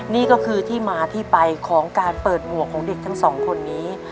นี่ก็คือที่มาที่ไปของการเปิดหมวกของเด็กทั้งสองคนนี้